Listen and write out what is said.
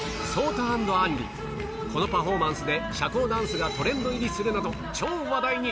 このパフォーマンスで、社交ダンスがトレンド入りするなど、超話題に。